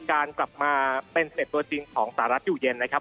การกลับมาเป็นสเต็ปตัวจริงของสหรัฐอยู่เย็นนะครับ